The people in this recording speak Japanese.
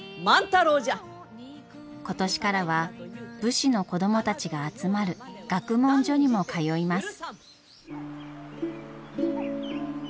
今年からは武士の子供たちが集まる学問所にも通います。